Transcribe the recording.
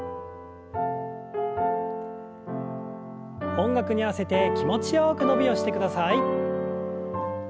音楽に合わせて気持ちよく伸びをしてください。